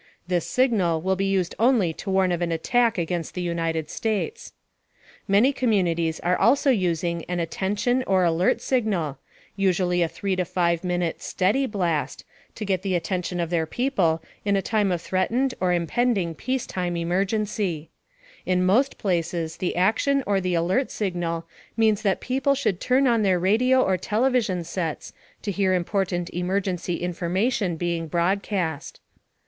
This signal will be used only to warn of an attack against the United States. Many communities also are using an Attention or Alert Signal, usually a 3 to 5 minute steady blast to get the attention of their people in a time of threatened or impending peacetime emergency. In most places, the Attention or Alert Signal means that people should turn on their radio or television sets to hear important emergency information being broadcast.